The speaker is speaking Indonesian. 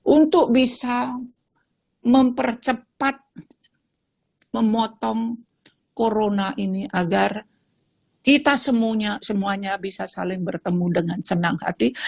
untuk bisa mempercepat memotong corona ini agar kita semuanya bisa saling bertemu dengan senang hati